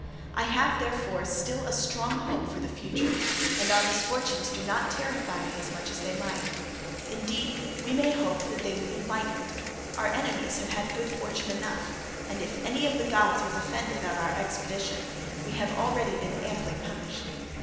I have, therefore, still a strong hope for the future, and our misfortunes do not terrify me as much as they might. Indeed we may hope that they will be lightened: our enemies have had good fortune enough; and if any of the gods was offended at our expedition, we have been already amply punished.